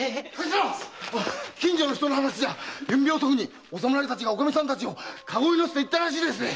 近所の人の話じゃ昨夜遅くにお侍たちがおかみさんたちを駕籠に乗せていったらしいです！